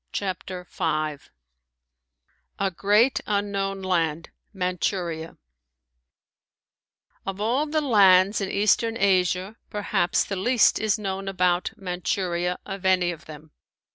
CHAPTER V A GREAT UNKNOWN LAND MANCHURIA Of all the lands in eastern Asia perhaps the least is known about Manchuria of any of them.